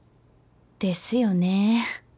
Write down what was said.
ですよね